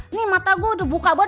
ini mata gue udah buka banget